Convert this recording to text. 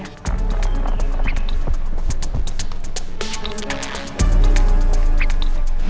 gue udah bangun